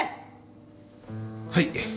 はい。